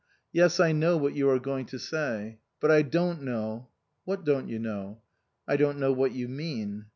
" Yes, I know what you are going to say. But I don't know "" What don't you know ?" "I don't know what you mean."